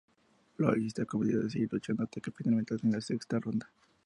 Lois está convencida de seguir luchando, hasta que finalmente hacen la sexta ronda.